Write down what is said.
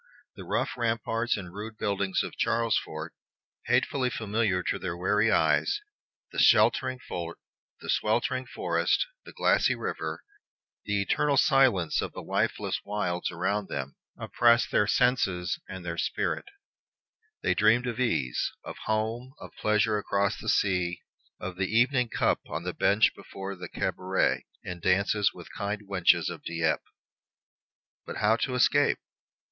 The rough ramparts and rude buildings of Charlesfort, hatefully familiar to their weary eyes, the sweltering forest, the glassy river, the eternal silence of the lifeless wilds around them, oppressed the senses and the spirits. They dreamed of ease, of home, of pleasures across the sea, of the evening cup on the bench before the cabaret, and dances with kind wenches of Dieppe. But how to escape?